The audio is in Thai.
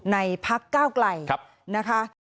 ในพักเก้าไกลครับนะคะ